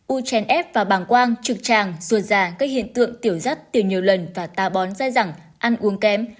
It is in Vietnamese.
u chèn ép và bàng quang trực tràng ruột già các hiện tượng tiểu rắt tiểu nhiều lần và tà bón dai rẳng ăn uống kém